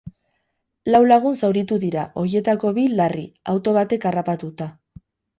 Lau lagun zauritu dira, horietako bi larri, auto batek harrapatuta.